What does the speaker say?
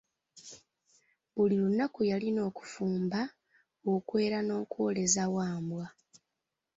Buli lunaku yalina okufumba, okwera n'okwoleza Wambwa.